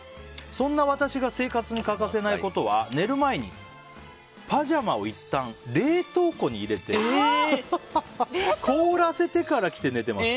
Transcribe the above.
そんな私が生活に欠かせないことは寝る前にパジャマをいったん、冷凍庫に入れて凍らせてから着て寝てます。